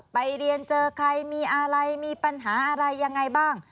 ไปเรียนเจอใครมีอะไรมีปัญหาอะไรยังไงบ้าง